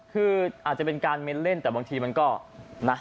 คืออาจจะเป็นการเม้นเล่นแต่บางทีมันก็นะ